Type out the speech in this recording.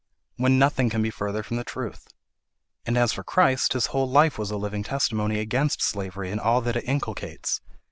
When nothing can be further from the truth. And as for Christ, his whole life was a living testimony against slavery and all that it inculcates.